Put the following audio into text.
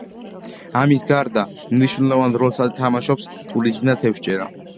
ამის გარდა მნიშვნელოვან როლს თამაშობს ტურიზმი და თევზჭერა.